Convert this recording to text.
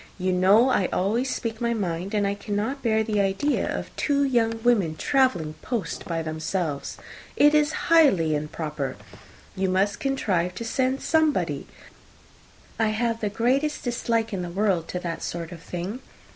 You know I always speak my mind, and I cannot bear the idea of two young women travelling post by themselves. It is highly improper. You must contrive to send somebody. I have the greatest dislike in the world to that sort of thing.